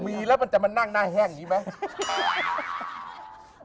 มีแล้วมันจะมานั่งหน้าแห้งอย่างนี้ไหม